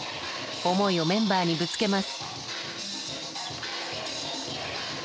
思いをメンバーにぶつけます。